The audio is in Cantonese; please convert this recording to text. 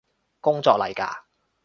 工作嚟嘎？